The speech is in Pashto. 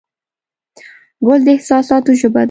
ګل د احساساتو ژبه ده.